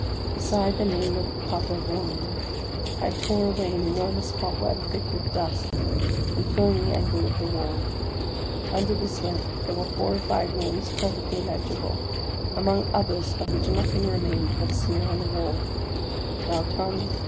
Beside the name of Papavoine, I tore away an enormous cobweb, thick with dust, and filling the angle of the wall. Under this web there were four or five names perfectly legible, among others of which nothing remained but a smear on the wall, — DAUTAN, 1815.